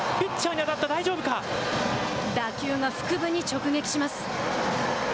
打球が腹部に直撃します。